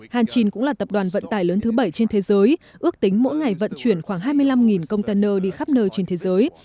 hanchin cũng là tập đoàn vận tải lớn thứ bảy trên thế giới ước tính mỗi ngày vận chuyển khoảng hai mươi năm container đi khắp nơi trên thế giới